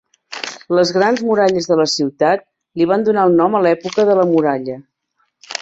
Les grans muralles de la ciutat li van donar el nom a la època de la muralla.